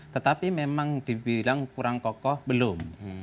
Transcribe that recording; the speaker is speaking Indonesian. tetapi memang dibilang kurang kokoh belum